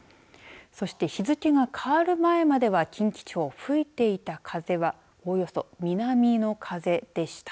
そして、日付が変わる前までは近畿地方、吹いていた風はおよそ南の風でした。